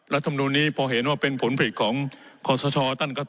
รัฐธรรมดุลนี้พอเห็นว่าเป็นผลผลิตของคสชตั้นก็